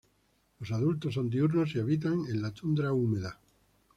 Los adultos son diurnos y habitan en la tundra húmeda.